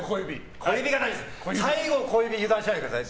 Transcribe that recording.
最後の小指油断しないでください。